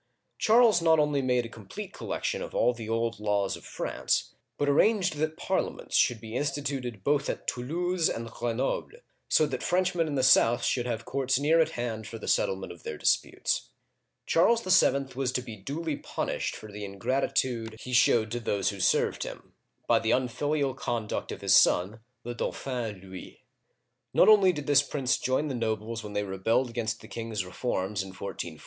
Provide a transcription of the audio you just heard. Charles not only made a complete collection of all the old laws of France, but arranged that Parliaments should be instituted both at Toulouse and Greno'ble, so that French men in the south should have courts near at hand for the settlement of their disputes. Charles VII. was to be duly punished for the ingratitude he showed to those who served him, by the unfilial conduct of his son, the Dauphin Louis. Not only did this prince join the nobles when they rebelled against the king's re Digitized by Google LOUIS XI.